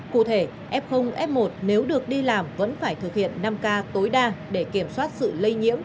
cụ thể f f một nếu được đi làm vẫn phải thực hiện năm k tối đa để kiểm soát sự lây nhiễm